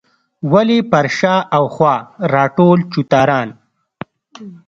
ولې پر شا او خوا راټول چوتاران.